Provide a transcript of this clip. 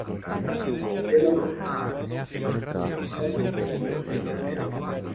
Concluyó la prueba sin ser ofrecido un contrato por parte del United.